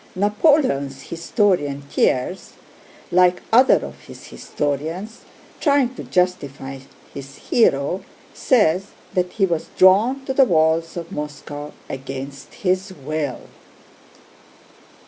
Napoleon's historian Thiers, like other of his historians, trying to justify his hero says that he was drawn to the walls of Moscow against his will.